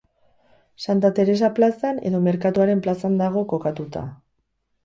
Santa Teresa plazan edo Merkatuaren plazan dago kokatuta.